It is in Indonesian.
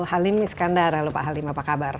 halim iskandar halo pak halim apa kabar